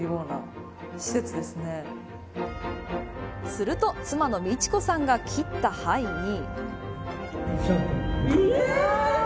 すると妻の美智子さんが切った牌に。